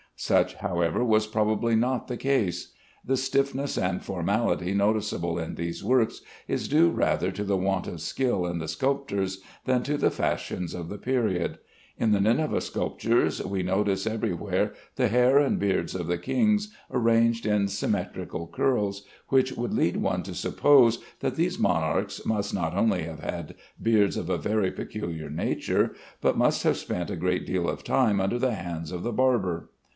Such, however, was probably not the case. The stiffness and formality noticeable in these works is due rather to the want of skill in the sculptors than to the fashions of the period. In the Nineveh sculptures we notice everywhere the hair and beards of the kings arranged in symmetrical curls, which would lead one to suppose that these monarchs must not only have had beards of a very peculiar nature, but must have spent a great deal of time under the hands of the barber.